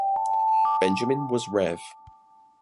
Benjamin was Rev.